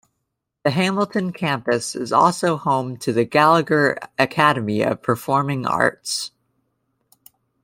The Hamilton campus is also home to the Gallagher Academy of Performing Arts.